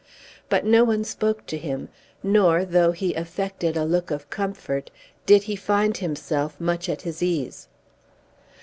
But no one spoke to him; nor, though he affected a look of comfort, did he find himself much at his ease.